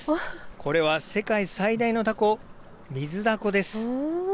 これは世界最大のたこミズダコです。